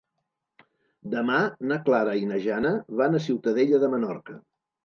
Demà na Clara i na Jana van a Ciutadella de Menorca.